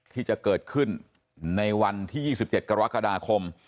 ที่จะเกิดขึ้นในวันที่๒๗กรกฎาคม